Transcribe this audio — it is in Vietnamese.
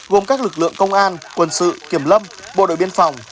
gồm các lực lượng công an quân sự kiểm lâm bộ đội biên phòng